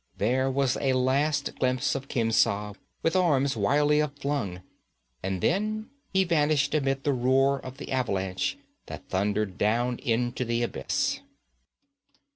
There was a last glimpse of Khemsa, with arms wildly upflung, and then he vanished amidst the roar of the avalanche that thundered down into the abyss.